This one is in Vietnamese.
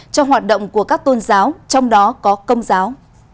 cho hoạt động của các tôn giáo trong đó có công giáo